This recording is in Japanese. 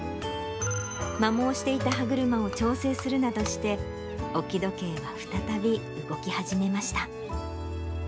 摩耗していた歯車を調整するなどして、置き時計は再び動き始めました。